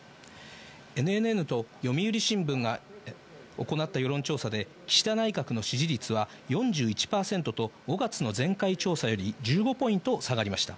ＮＮＮと読売新聞が行った世論調査で、岸田内閣の支持率は４１％と、５月の前回調査より１５ポイント下がりました。